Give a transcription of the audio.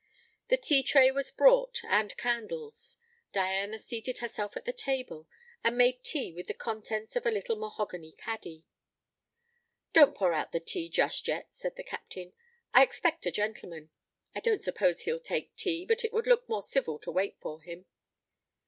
The tea tray was brought, and candles. Diana seated herself at the table, and made tea with the contents of a little mahogany caddy. "Don't pour out the tea just yet," said the Captain; "I expect a gentleman. I don't suppose he'll take tea, but it will look more civil to wait for him."